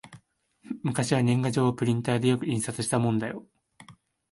昔は年賀状をプリンターでよく印刷したもんだよ